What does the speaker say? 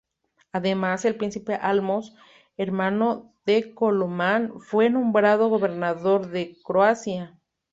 Además, el Príncipe Álmos, hermano de Colomán, fue nombrado gobernador de Croacia.